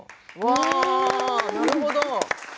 なるほど。